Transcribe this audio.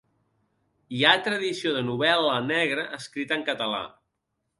Hi ha tradició de novel·la negra escrita en català